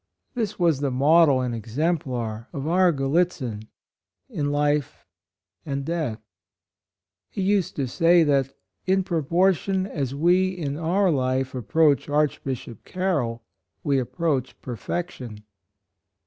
This was the model and exemplar of our Gallitzin in life and death. He used to say that "in proportion as MONUMENT. 139 we in our life approach Archbishop Carroll, we approach perfection."